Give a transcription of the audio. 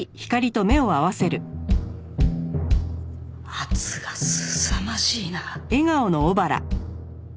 圧がすさまじいな。